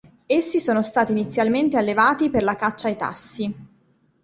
Essi sono stati inizialmente allevati per la caccia ai tassi.